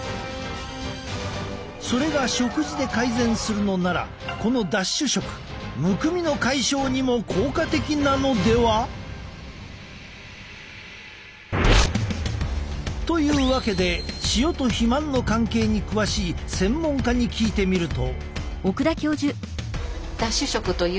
それが食事で改善するのならこのダッシュ食むくみの解消にも効果的なのでは？というわけで塩と肥満の関係に詳しい専門家に聞いてみると。